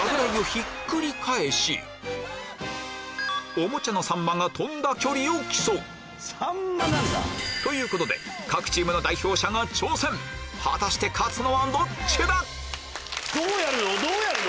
おもちゃのサンマが飛んだ距離を競うということで各チームの代表者が挑戦果たして勝つのはどっちだ⁉どうやるの？